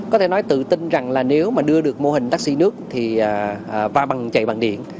có thể nói tự tin rằng là nếu mà đưa được mô hình taxi nước chạy bằng điện